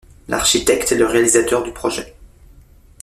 L'architecte est le réalisateur du projet.